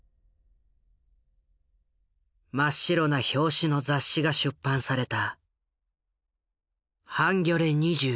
真っ白な表紙の雑誌が出版された。